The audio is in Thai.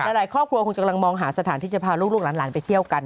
หลายครอบครัวคงกำลังมองหาสถานที่จะพาลูกหลานไปเที่ยวกัน